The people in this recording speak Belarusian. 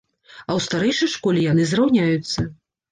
А ў старэйшай школе яны зраўняюцца.